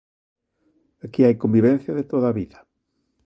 Aquí hai convivencia de toda a vida.